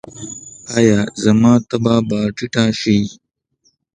ایا زما تبه به ټیټه شي؟